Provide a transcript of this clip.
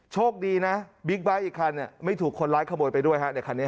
โชคดีนะบิ๊กไบท์อีกคันไม่ถูกคนร้ายขโมยไปด้วยฮะในคันนี้